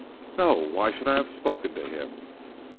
"No. Why should I have spoken to him?"